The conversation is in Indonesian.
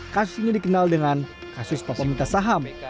kasus ini dikenal dengan kasus pemerintah saham